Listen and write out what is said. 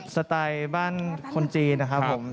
สไตล์บ้านคนจีนนะครับผม